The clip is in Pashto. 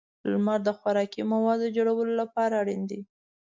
• لمر د خوراکي موادو د جوړولو لپاره اړین دی.